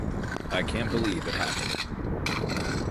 I can’t believe it happened.